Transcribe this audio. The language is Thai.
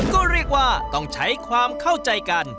ก็เรียกว่าต้องใช้ความเข้าใจกัน